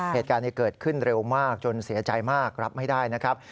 เหตุการณ์นี้เกิดขึ้นเร็วมากจนเสียใจมากรับไม่ได้นะครับ